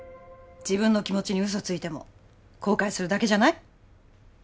自分の気持ちに嘘ついても後悔するだけじゃない？